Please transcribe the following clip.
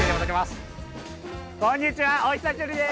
こんにちは、お久しぶりです。